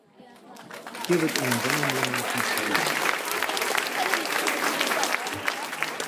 Hier wird in den Sommermonaten Freilichttheater angeboten.